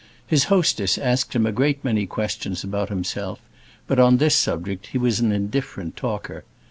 His hostess asked him a great many questions about himself, but on this subject he was an indifferent talker.